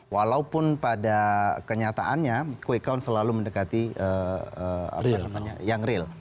walaupun pada kenyataannya quick count selalu mendekati yang real